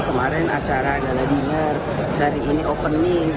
kemarin acara adalah dinner hari ini opening